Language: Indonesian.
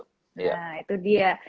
nah itu dia